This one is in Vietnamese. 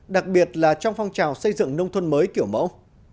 đặc biệt là trong phong trào xây dựng nông thôn mới kiểu mẫu